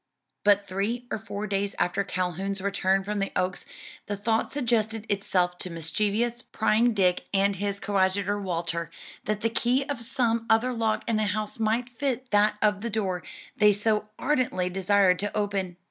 But three or four days after Calhoun's return from the Oaks, the thought suggested itself to mischievous, prying Dick and his coadjutor Walter, that the key of some other lock in the house might fit that of the door they so ardently desired to open.